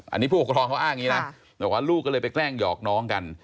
อันนี้ผู้ปกครองเขาอ้างอย่างนี้นะบอกว่าลูกก็เลยไปแกล้งหยอกน้องกัน